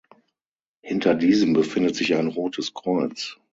Hinter diesem befindet sich ein rotes Kreuz.